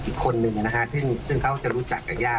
อีกคนนึงนะคะที่เขาจะรู้จักกับหญ้า